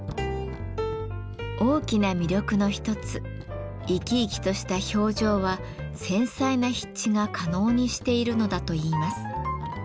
大きな魅力の一つ生き生きとした表情は繊細な筆致が可能にしているのだといいます。